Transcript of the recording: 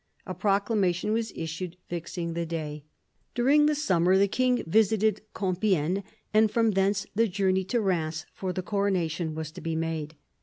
A proclamation was issued fixing the day. During the summer the king visited Compiegne, and from thence the journey to Eheims for the coronation was to be made.